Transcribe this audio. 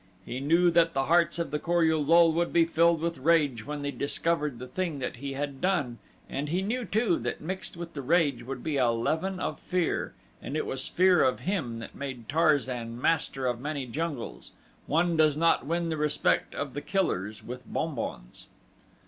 He knew that the hearts of the Kor ul lul would be filled with rage when they discovered the thing that he had done and he knew too, that mixed with the rage would be a leaven of fear and it was fear of him that had made Tarzan master of many jungles one does not win the respect of the killers with bonbons.